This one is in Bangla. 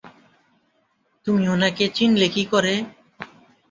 তুমি ওনাকে চিনলে কি কোরে?